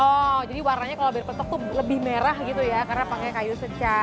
oh jadi warnanya kalau beer peletok tuh lebih merah gitu ya karena pakai kayu secah